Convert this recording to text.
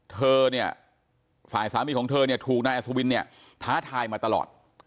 เธอเนี่ยฝ่ายสามีของเธอเนี่ยถูกนายอัศวินเนี่ยท้าทายมาตลอด